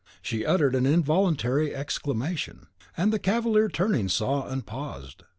She uttered an involuntary exclamation, and the cavalier turning, saw, and paused.